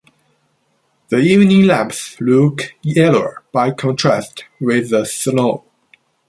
The evening lamps look yellower by contrast with the snow.